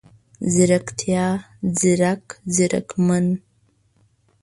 ځيرکتيا، ځیرک، ځیرمن،